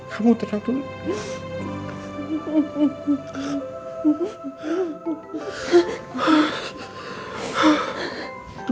kamu tenang dulu